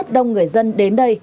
rất đông người dân đến đây